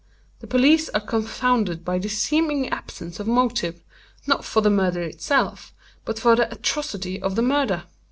The police are confounded by the seeming absence of motive—not for the murder itself—but for the atrocity of the murder.